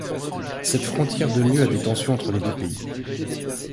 Cette frontière donne lieu à des tensions entre les deux pays.